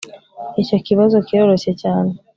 icyo kibazo kiroroshye cyane